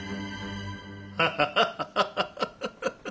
ハハハハハ。